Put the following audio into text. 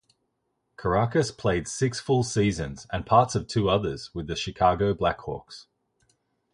Karakas played six full seasons and parts of two others with Chicago Black Hawks.